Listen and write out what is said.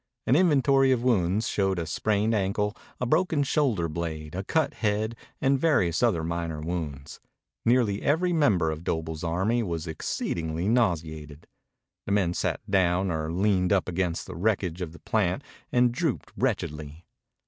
An inventory of wounds showed a sprained ankle, a broken shoulder blade, a cut head, and various other minor wounds. Nearly every member of Doble's army was exceedingly nauseated. The men sat down or leaned up against the wreckage of the plant and drooped wretchedly.